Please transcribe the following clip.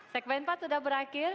segmen empat sudah berakhir